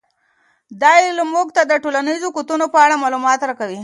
دا علم موږ ته د ټولنیزو قوتونو په اړه معلومات راکوي.